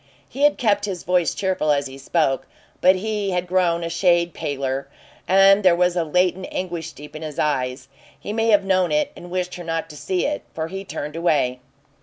He had kept his voice cheerful as he spoke, but he had grown a shade paler, and there was a latent anguish deep in his eyes. He may have known it and wished her not to see it, for he turned away.